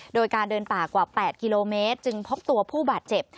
โดยการเดินป่ากว่า๘กิโลเมตรจึงพบตัวผู้บาดเจ็บ